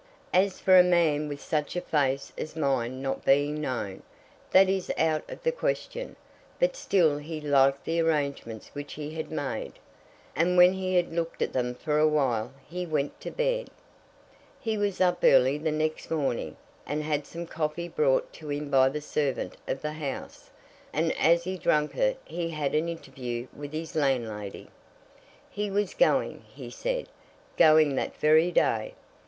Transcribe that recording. As for a man with such a face as mine not being known, that is out of the question." But still he liked the arrangements which he had made, and when he had looked at them for awhile he went to bed. He was up early the next morning, and had some coffee brought to him by the servant of the house, and as he drank it he had an interview with his landlady. "He was going," he said; "going that very day."